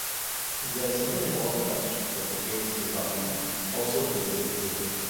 Their second warm-up match was against Zimbabwe, also in Saint Vincent.